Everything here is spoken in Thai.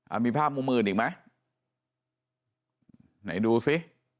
เอามีภาพมุมมืออื่นอีกไหมไหนดูซิ